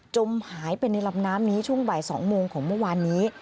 จมหายไปในลำน้ำนี้ช่วงบ่าย๒โมงของเมื่อวานนี้